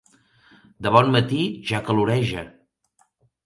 De bon matí ja caloreja.